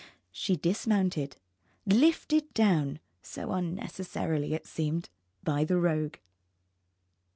She dismounted lifted down (so unnecessarily it seemed) by the rogue.